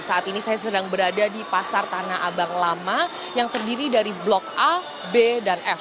saat ini saya sedang berada di pasar tanah abang lama yang terdiri dari blok a b dan f